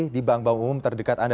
di bank bank umum terdekat anda